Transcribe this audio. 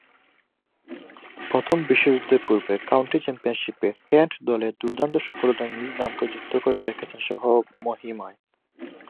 প্রথম বিশ্বযুদ্ধের পূর্বে কাউন্টি চ্যাম্পিয়নশীপে কেন্ট দলের দূর্দান্ত সফলতায় নিজ নামকে যুক্ত করে রেখেছেন স্বমহিমায়।